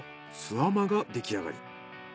あまが出来上がり。